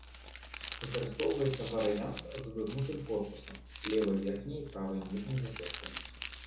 Выкарыстоўваецца варыянт з выгнутым корпусам, левай верхняй і правай ніжняй засечкамі.